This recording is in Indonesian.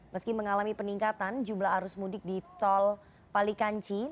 meski mengalami peningkatan jumlah arus mudik di tol palikanci